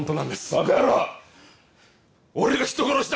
バカ野郎俺が人殺しだ？